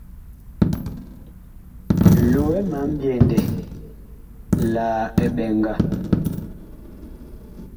Loɛ ma mbyɛndɛ la eɓɛŋga.